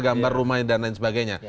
gambar rumahnya dan lain sebagainya